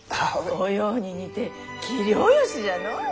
お葉に似て器量よしじゃのう。